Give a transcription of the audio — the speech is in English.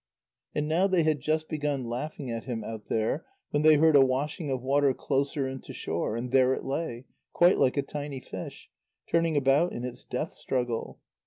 And now they had just begun laughing at him out there, when they heard a washing of water closer in to shore, and there it lay, quite like a tiny fish, turning about in its death struggle.